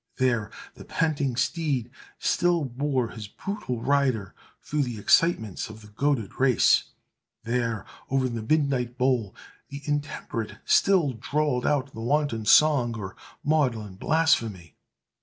There the panting steed still bore his brutal rider through the excitements of the goaded race! There, over the midnight bowl, the intemperate still drawled out the wanton song or maudlin blasphemy!